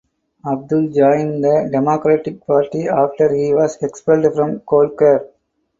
Abdul joined the Democratic Party after he was expelled from Golkar.